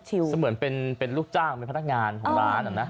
เสมือนเป็นลูกจ้างเป็นพนักงานของร้านอ่ะนะ